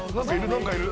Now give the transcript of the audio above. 何かいる。